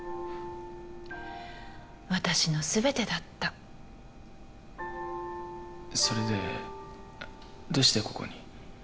私のすべてだったそれでどうしてここに？